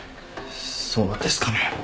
そうなんですかね。